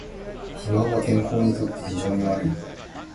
肥満は健康にとって非常に悪い